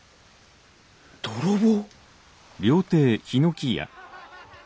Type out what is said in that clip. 泥棒？